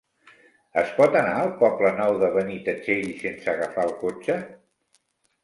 Es pot anar al Poble Nou de Benitatxell sense agafar el cotxe?